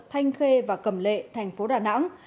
thanh khê và cầm lệ thành phố đà nẵng